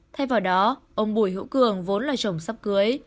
thay vào đó ông bùi hữu cường vốn là chồng sắp cưới